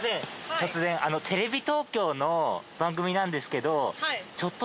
突然テレビ東京の番組なんですけど。